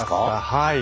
はい。